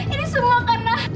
ini semua karena